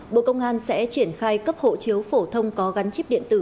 bộ công an sẽ triển khai cấp hộ chiếu phổ thông có gắn chip điện tử